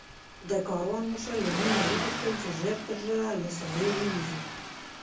د کاروان مشر له موږ نه وغوښتل چې ژر تر ژره له ساحې ووځو.